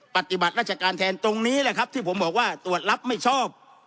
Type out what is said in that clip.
ปฏิบัติราชการแทนตรงนี้แหละครับที่ผมบอกว่าตรวจรับไม่ชอบ